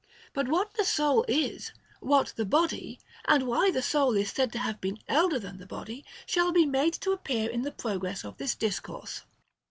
But what the soul is, what the body, and why the soul is said to have been elder than the body, shall be made appear in the progress of this discourse.